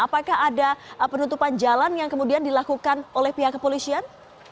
apakah ada penutupan jalan yang kemudian dilakukan oleh pihak kepolisian